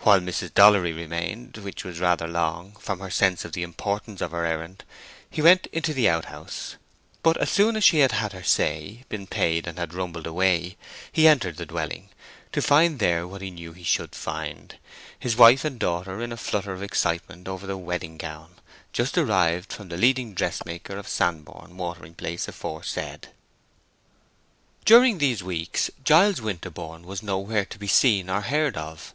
While Mrs. Dollery remained—which was rather long, from her sense of the importance of her errand—he went into the out house; but as soon as she had had her say, been paid, and had rumbled away, he entered the dwelling, to find there what he knew he should find—his wife and daughter in a flutter of excitement over the wedding gown, just arrived from the leading dress maker of Sandbourne watering place aforesaid. During these weeks Giles Winterborne was nowhere to be seen or heard of.